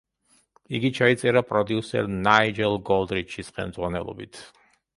იგი ჩაიწერა პროდიუსერ ნაიჯელ გოდრიჩის ხელმძღვანელობით.